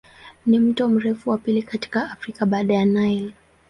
Ni mto mrefu wa pili katika Afrika baada ya Nile.